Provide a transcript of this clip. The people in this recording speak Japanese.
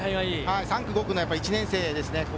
３区、５区の１年生ですね。